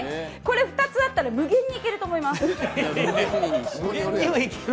これ２つあったら無限にいけると思います。